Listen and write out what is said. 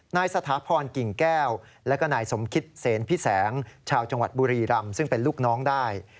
นายสถาพรกิ่งแก้วและก็นายสมคิตเซนพิแสงชาวจังหวัดบุรีรำซึ่งเป็นลูกน้องได้